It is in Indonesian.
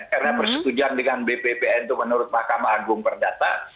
karena persetujuan dengan bppn itu menurut mahkamah agung perdata